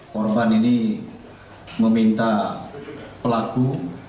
korban ini meminta pelaku